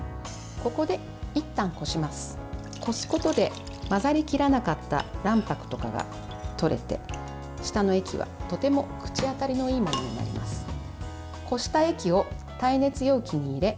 こすことで、混ざりきらなかった卵白とかが取れて、下の液はとても口当たりのいいものになります。